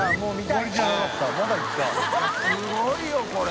いすごいよこれ！